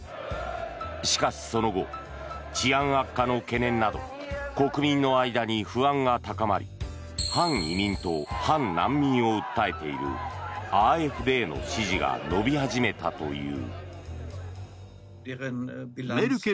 しかし、その後治安悪化の懸念など国民の間に不安が高まり反移民と反難民を訴えているＡｆＤの支持が伸び始めたという。